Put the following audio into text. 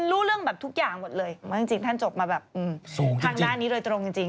รู้เรื่องแบบทุกอย่างหมดเลยเพราะจริงท่านจบมาแบบทางด้านนี้โดยตรงจริง